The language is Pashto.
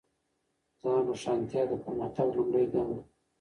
ځان روښانتیا د پرمختګ لومړی ګام دی.